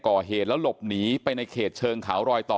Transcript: ก่อเหตุแล้วหลบหนีไปในเขตเชิงเขารอยต่อ